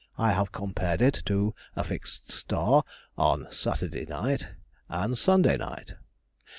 I have compared it to a fixed star, on Saturday night and Sunday night....